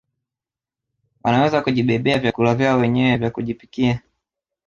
Wanaweza kujibebea vyakula vyao wenyewe vya kujipikia